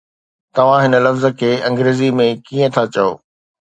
توهان هن لفظ کي انگريزيءَ ۾ ڪيئن ٿا چئو؟